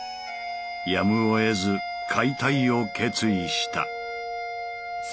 やむをえず解体を決意した。